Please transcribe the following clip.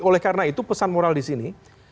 oleh karena itu pesan moral di sini